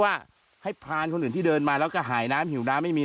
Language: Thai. ว่าให้พรานคนอื่นที่เดินมาแล้วก็หายน้ำหิวน้ำไม่มี